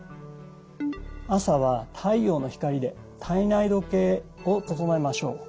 朝は太陽の光で体内時計を整えましょう。